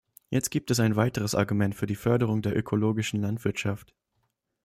Jetzt gibt es ein weiteres Argument für die Förderung der ökologischen Landwirtschaft.